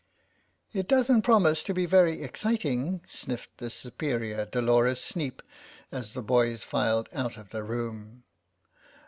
" It doesn't promise to be very exciting," sniffed the superior Dolores Sneep as the boys filed out of the room.